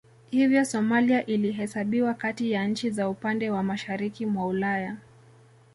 Hivyo Somalia ilihesabiwa kati ya nchi za upande wa mashariki mwa Ulaya